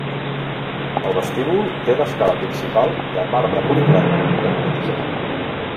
El vestíbul té l'escala principal de marbre policrom d'acurat disseny.